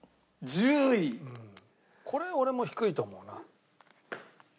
これ俺も低いと思うな。